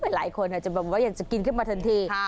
หลายคนอาจจะแบบว่าอยากจะกินขึ้นมาทันที